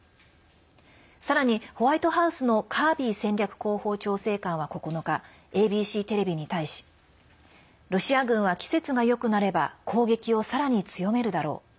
さらにホワイトハウスのカービー戦略広報調整官は９日ＡＢＣテレビに対しロシア軍は季節がよくなれば攻撃をさらに強めるだろう。